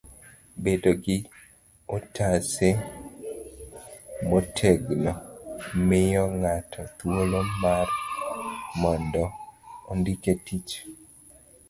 bedo gi otase motegno miyo ng'ato thuolo mar mondo ondike tich.